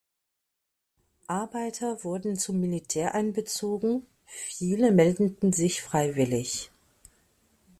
Arbeiter wurden zum Militär einbezogen, viele meldeten sich freiwillig.